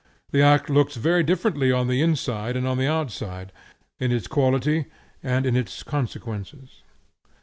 The act looks very differently on the inside and on the outside; in its quality and in its consequences.